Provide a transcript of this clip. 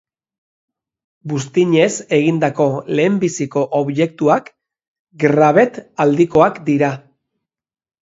Buztinez egindako lehenbiziko objektuak Gravette aldikoak dira